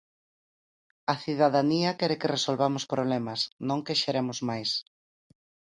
A cidadanía quere que resolvamos problemas, non que xeremos máis.